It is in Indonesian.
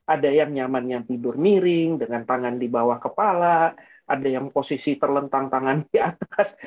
ada yang nyaman yang tidur miring dengan tangan di bawah kepala ada yang posisi terlentang tangan di atas